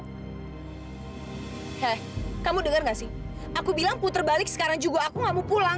heh kamu denger ga sih aku bilang puter balik sekarang juga aku ga mau pulang